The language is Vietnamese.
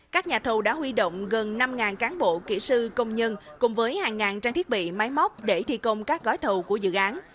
các nhà thầu đã huy động gần năm cán bộ kỹ sư công nhân cùng với hàng ngàn trang thiết bị máy móc để thi công các gói thầu của dự án